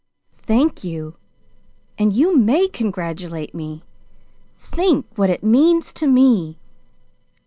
"Thank you and you may congratulate me. Think what it means to me.